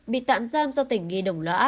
bị tạm giam do tỉnh nghi đồng lõa